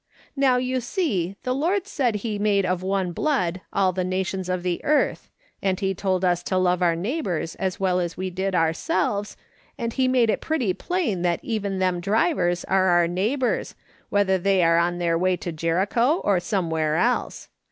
Now, you see, the Lord said he had made of one blood all the nations of the earth, and he told us to love our neighbours as well as we did ourselves, and he made it pretty plain that even them drivers are our neighbours, whether tliey are on their way to Jericho or somewhere else.